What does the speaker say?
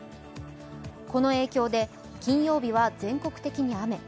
この影響で、金曜日は全国的に雨。